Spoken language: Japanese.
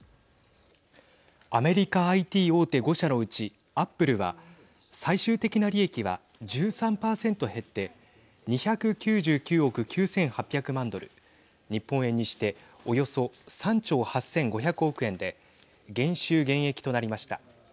アメリカＩＴ大手５社のうちアップルは最終的な利益は１３％減って２９９億９８００万ドル日本円にしておよそ３兆８５００億円で減収減益となりました。